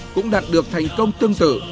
cũng đạt được thành công tương tự